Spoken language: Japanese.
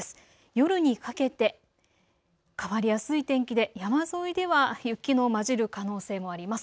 夜にかけて変わりやすい天気で山沿いでは雪のまじる可能性もあります。